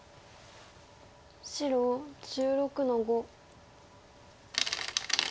白１６の五。